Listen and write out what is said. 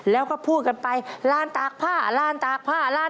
แล้วก็พูดกันไปลานตากผ้า